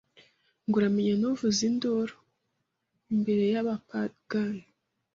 ngo uramenye ntuvuze induru imbere y’abapagani